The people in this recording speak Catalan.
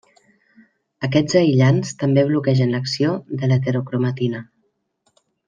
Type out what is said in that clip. Aquests aïllants també bloquegen l'acció de l'heterocromatina.